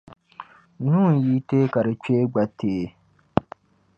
Nuu n-yi teei ka di kpee gba teei.